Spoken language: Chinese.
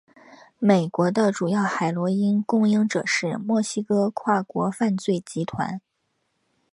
美国的主要海洛因供应者是墨西哥跨国犯罪集团。